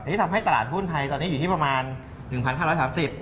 ที่ทำให้ตลาดหุ้นไทยตอนนี้อยู่ที่ประมาณ๑๕๓๐บาท